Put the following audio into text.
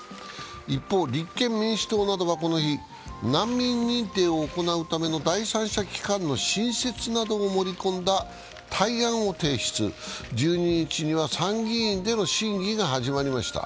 一方、立憲民主党などはこの日、難民認定を行うための第三者機関の新設などを盛り込んだ対案を提出、１２日には参議院での審議が始まりました。